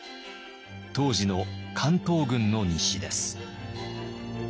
当時の関東軍の日誌です。